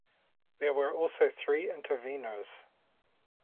There were also three Intervenors.